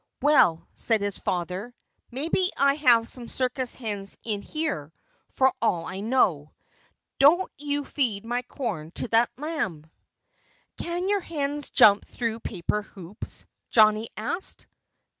"Well," said his father, "maybe I have some circus hens in here, for all I know. Don't you feed my corn to that lamb!" "Can your hens jump through paper hoops?" Johnnie asked.